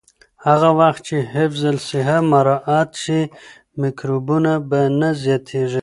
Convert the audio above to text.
هغه وخت چې حفظ الصحه مراعت شي، میکروبونه به نه زیاتېږي.